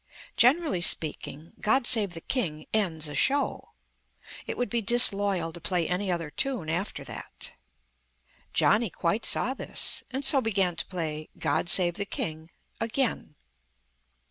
Generally speaking, "God Save the King" ends a show; it would be disloyal to play any other tune after that. Johnny quite saw this ... and so began to play "God Save the King" again.